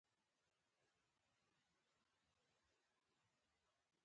ډيپلوماسي د فرهنګي اړیکو د پراختیا وسیله ده.